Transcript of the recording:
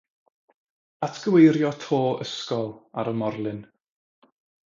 Atgyweirio to ysgol ar y morlin